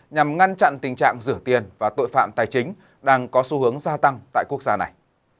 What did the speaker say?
nhằm ngăn chặn tình trạng rửa tiền và tội phạm tài chính đang có xu hướng gia tăng tại quốc gia này